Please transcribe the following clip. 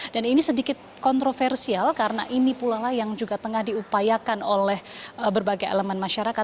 dan ini sedikit kontroversial karena ini pula lah yang juga tengah diupayakan oleh berbagai elemen masyarakat